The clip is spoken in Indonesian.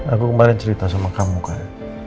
aku kemarin cerita sama kamu kan